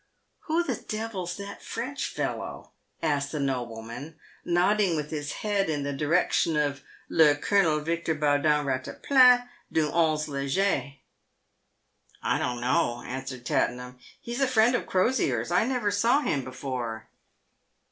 "Who the devil's that French fellow?" asked the nobleman, nodding with his head in the direction of le Colonel Victor Baudin Eattaplan, du 11° Leger. PAVED WITH GOLD. 157 " I don't know," answered Tattenham ; u he's a friend of Crosier's. I never saw him before."